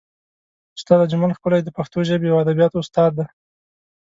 استاد اجمل ښکلی د پښتو ژبې او ادبیاتو استاد دی.